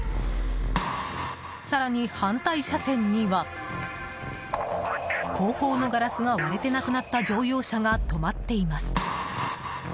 更に、反対車線には後方のガラスが割れてなくなった乗用車が止まっています。